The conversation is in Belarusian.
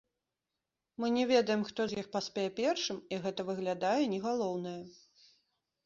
Мы не ведаем, хто з іх паспее першым, і гэта, выглядае, не галоўнае.